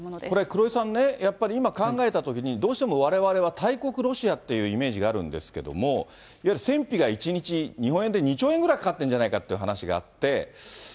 これ、黒井さんね、やっぱり今、考えたときに、どうしてもわれわれは大国ロシアっていうイメージがあるんですけども、いわゆる戦費が１日日本円で２兆円ぐらいかかってるんじゃないかって話があって。